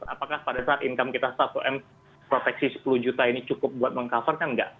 apakah pada saat income kita satu m proteksi sepuluh juta ini cukup buat meng cover kan nggak